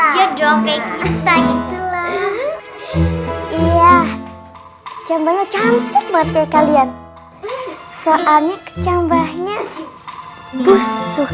iya dong kayak kita gitu lah iya kecambahnya cantik banget ya kalian soalnya kecambahnya busuk